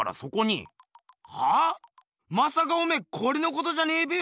まさかおめえこれのことじゃねえべよ。